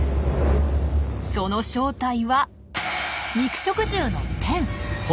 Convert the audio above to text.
その正体は肉食獣のテン。